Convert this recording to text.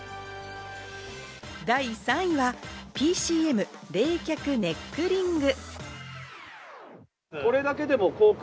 第３位はＰＣＭ冷却ネックリング。